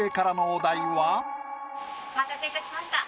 お待たせいたしました。